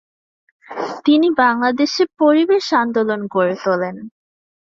তিনি বাংলাদেশে পরিবেশ আন্দোলন গড়ে তোলেন।